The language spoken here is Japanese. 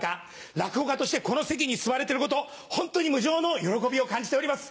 落語家としてこの席に座れてることホントに無上の喜びを感じております。